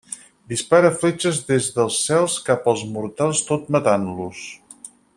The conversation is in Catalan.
Dispara fletxes des dels cels cap als mortals tot matant-los.